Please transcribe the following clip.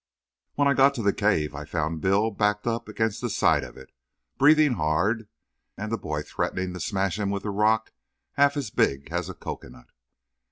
When I got to the cave I found Bill backed up against the side of it, breathing hard, and the boy threatening to smash him with a rock half as big as a cocoanut.